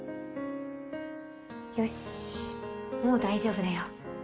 よしもう大丈夫だよ。